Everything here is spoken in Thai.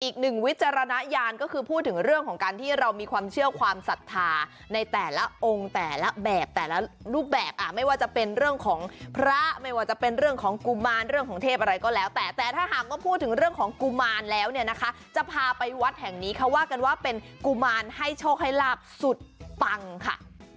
อีกหนึ่งวิจารณญาณก็คือพูดถึงเรื่องของการที่เรามีความเชื่อความศรัทธาในแต่ละองค์แต่ละแบบแต่ละรูปแบบไม่ว่าจะเป็นเรื่องของพระไม่ว่าจะเป็นเรื่องของกุมารเรื่องของเทพอะไรก็แล้วแต่แต่ถ้าหากว่าพูดถึงเรื่องของกุมารแล้วเนี่ยนะคะจะพาไปวัดแห่งนี้เขาว่ากันว่าเป็นกุมารให้โชคให้ลาบสุดปังค่ะ